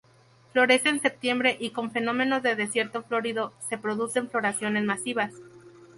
Florece en septiembre y con fenómeno de desierto florido se producen floraciones masivas.